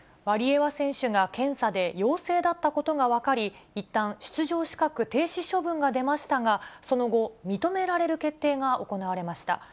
ワリエワ選手が検査で陽性だったことが分かり、いったん出場資格停止処分が出ましたが、その後、認められる決定が行われました。